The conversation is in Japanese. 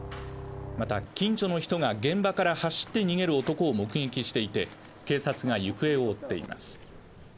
また近所の人が現場から走って逃げる男を目撃していて警察が行方を追っています